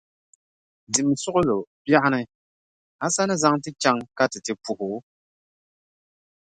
Dimi suɣulo, biɛɣuni, a sa ni zaŋ ti chaŋ ka ti ti puhi o?